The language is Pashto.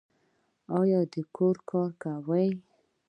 ایا د کور کار کوي؟